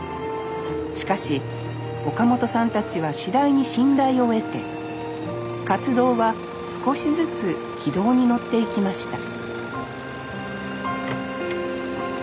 しかし岡本さんたちは次第に信頼を得て活動は少しずつ軌道に乗っていきました